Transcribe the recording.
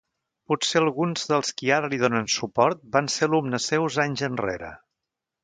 Potser alguns dels qui ara li donen suport van ser alumnes seus anys enrere.